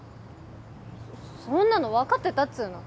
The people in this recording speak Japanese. そんなのわかってたっつうの！